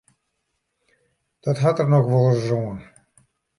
Dat hat der noch wolris oan.